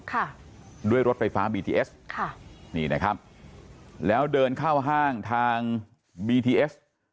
ค่ะด้วยรถไฟฟ้าบีทีเอสค่ะนี่นะครับแล้วเดินเข้าห้างทางบีทีเอส